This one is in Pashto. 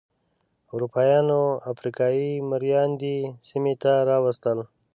اروپایانو افریقايي مریان دې سیمې ته راوستل.